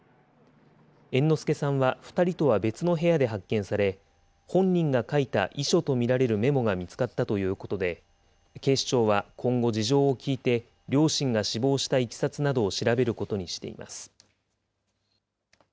猿之助さんは２人とは別の部屋で発見され、本人が書いた遺書と見られるメモが見つかったということで、警視庁は今後、事情を聴いて両親が死亡したいきさつなどを調べることにしています。